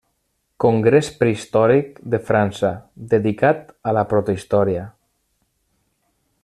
Congrés Prehistòric de França, dedicat a la Protohistòria.